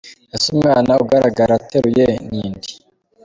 Ese umwana agaragara ateruye ni inde?